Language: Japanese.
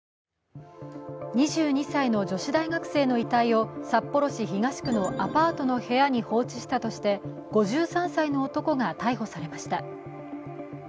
２２歳の女子大学生の遺体を札幌市東区のアパートの部屋に放置したとして５３歳の男が逮捕されました。